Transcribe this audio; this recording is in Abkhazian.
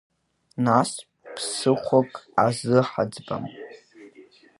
Нас ԥсыхәак азыҳаӡбап.